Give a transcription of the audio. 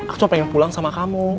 aku pengen pulang sama kamu